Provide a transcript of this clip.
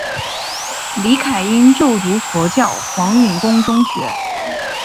李凯茵就读佛教黄允畋中学。